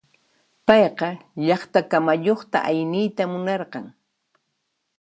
Payqa llaqta kamayuqta ayniyta munarqan.